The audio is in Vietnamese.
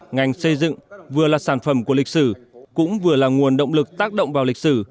ngành xây dựng vừa là sản phẩm của lịch sử cũng vừa là nguồn động lực tác động vào lịch sử